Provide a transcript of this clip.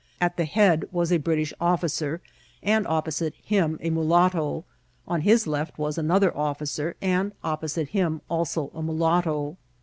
At the head was a British offi cer, and opposite him a 'mulatto; on his left was an^ other officer, and opposite him also a mulatto.